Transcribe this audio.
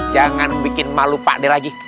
jangan bikin malu pak de lagi